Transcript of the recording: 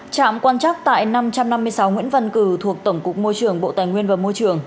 trạm quan trắc tại năm trăm năm mươi sáu nguyễn văn cử thuộc tổng cục môi trường bộ tài nguyên và môi trường